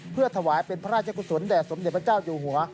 เพื่อถวายเป็นพระราชกุศลแด่สมเด็จพระเจ้าอยู่หัว